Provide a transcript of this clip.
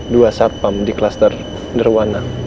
dua sarpam di kluster derwana